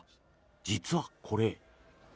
実は、これ。